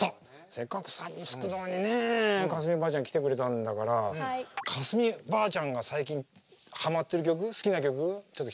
せっかく「サブスク堂」にね架純ばあちゃん来てくれたんだから架純ばあちゃんが最近ハマってる曲好きな曲ちょっと聴かせてよ。